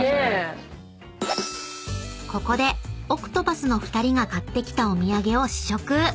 ［ここでＯＣＴＰＡＴＨの２人が買ってきたお土産を試食］